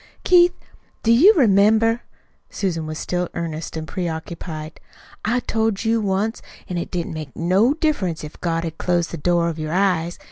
"Keith, do you remember?" Susan was still earnest and preoccupied. "I told you once that it didn't make no diff'rence if God had closed the door of your eyes.